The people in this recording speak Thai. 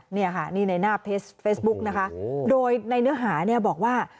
เนี่ยค่ะนี่ในหน้าเพจเฟซบุ๊กนะคะโดยในเนื้อหาเนี่ยบอกว่า